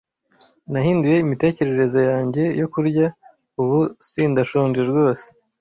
Nahinduye imitekerereze yanjye yo kurya. Ubu sindashonje rwose.